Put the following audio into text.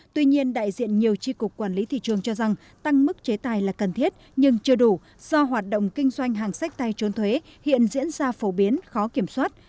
tuy nhiên đại diện nhiều tri cục quản lý thị trường cho rằng tăng mức chế tài là cần thiết nhưng chưa đủ do hoạt động kinh doanh hàng sách tay trốn thuế hiện diễn ra phổ biến khó kiểm soát